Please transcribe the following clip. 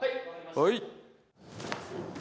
はい。